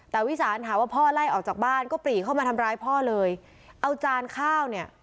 แต่วิสานหาว่าพ่อไล่ออกจากบ้านก็ปรีเข้ามาทำร้ายพ่อเลยเอาจานข้าวเนี่ย